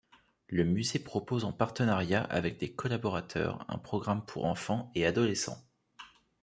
Le musée propose en partenariat avec des collaborateurs un programme pour enfants et adolescents.